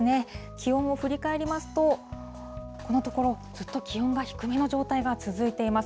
気温を振り返りますと、このところ、ずっと気温が低めの状態が続いています。